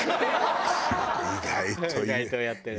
意外と。